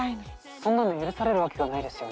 そんなの許されるわけがないですよね。